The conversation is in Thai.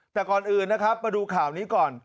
แต่ก่อนอื่นนะครับมาดูข่าวนี้ก่อน